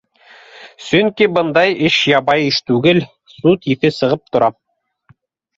Сөнки бындай эш ябай эш түгел, суд еҫе сығып тора.